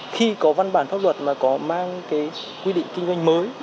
khi có văn bản pháp luật mà có mang cái quy định kinh doanh mới